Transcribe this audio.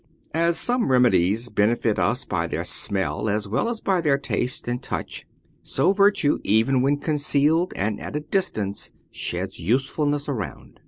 As some remedies benefit us by their smell as well as by their their taste and touch, so virtue even when concealed and at a distance sheds usefulness around.